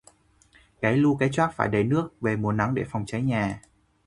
Cái lu, cái choác phải đầy nước về mùa nắng để phòng cháy nhà